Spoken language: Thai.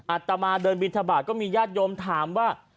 อัตมาเดินบินทบาทก็มีญาติโยมถามว่า